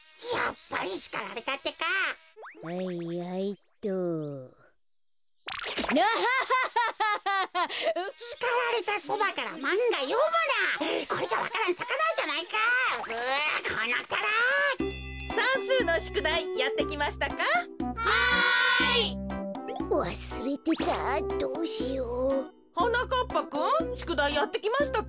ぱくんしゅくだいやってきましたか？